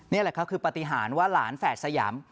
นี่แหละครับคือปฏิหารว่าหลานแฝดสยาม